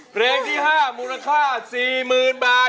เพลงที่๕มูลค่า๔๐๐๐บาท